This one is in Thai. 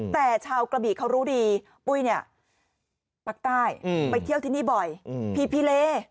แต่ชาวกระบี่เขารู้ดีปุ้ยเนี่ยภาคใต้ไปเที่ยวที่นี่บ่อยพีพีเล